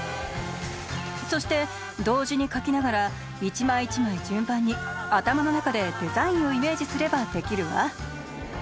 そして同時に描きながら一枚一枚順番に頭の中でデザインをイメージすればできるわ。